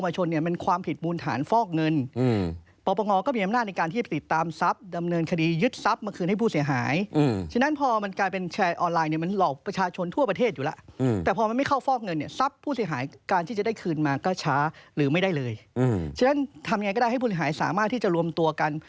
ฉะนั้นทำอย่างไรก็ได้ให้ผู้หลายสามารถที่จะรวมตัวกัน